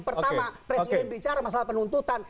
pertama presiden bicara masalah penuntutan